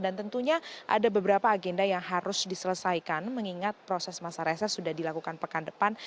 dan tentunya ada beberapa agenda yang harus diselesaikan mengingat proses masa reses sudah dilakukan pekan depan